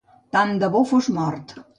Tant de bo fos mort!